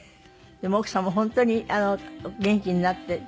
でも奥さんも本当に元気になって。